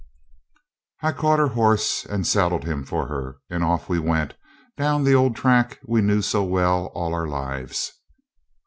I caught her horse and saddled him for her, and off we went down the old track we knew so well all our lives.